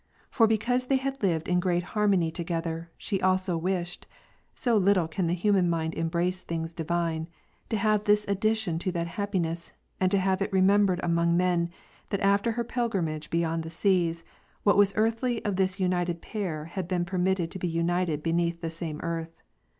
For because they had lived in great harmony together, she also wished (so little can the human mind embrace things divine) to have this addition to that happiness, and to have it remembered among men, that after her pilgrimage beyond the seas, what was earthly of this united pair had been per mitted to be united beneath the same earth.